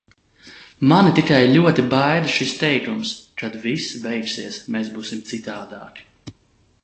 Mani tikai ļoti baida šis teikums - kad viss beigsies, mēs būsim citādāki.